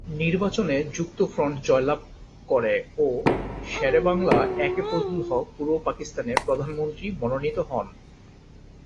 নির্বাচনে যুক্তফ্রন্ট জয়লাভ করে ও শেরে বাংলা একে ফজলুল হক পূর্ব পাকিস্তানের প্রধানমন্ত্রী মনোনীত হন।